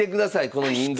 この人数。